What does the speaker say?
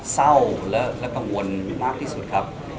เศร้าและกังวลมากที่สุดครับ